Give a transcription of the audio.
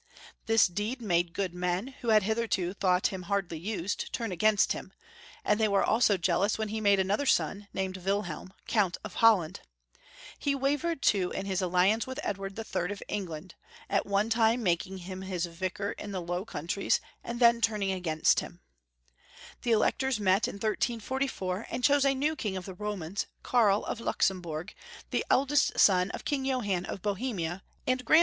This deed made good men, who had hitherto thought him hardly used, turn against him, and they were also jealous when he made another Bon, named Wil helm. Count of Holland, He wav ered too in hia al liance with Ed ward III. of Eng land, at one time making him his Vicar in the Low Countries, and then turning against The electors met in 1844, and chose a new King of the Romans, Karl of Luxemburg, the 216 Young Folks' JBistory of Germany^ eldest son of King Johann of Bohemia, and grand